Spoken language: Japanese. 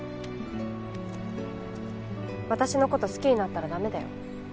私の事好きになったら駄目だよ。